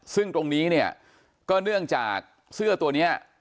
ซึ่งตรงนี้เนี่ยก็เนื่องจากเสื้อตัวนี้